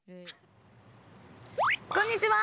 こんにちは。